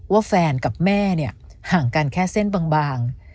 ว่าแฟนกับแม่เนี่ยห่างกันแค่เส้นบาง